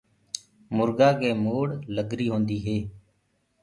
مرگآ ڪي موڙ لگري هوندي هي۔